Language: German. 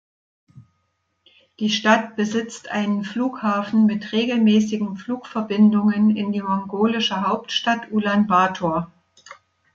Die Stadt besitzt einen Flughafen mit regelmäßigen Flugverbindungen in die mongolische Hauptstadt Ulan Bator.